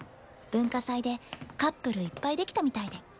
文化祭でカップルいっぱいできたみたいで。